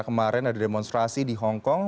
kemarin ada demonstrasi di hongkong